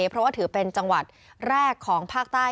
เพราะว่าถือเป็นจังหวัดแรกของภาคใต้